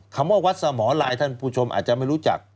คำว่าวัดสมรลายท่านผู้ชมอาจจะไม่รู้จัก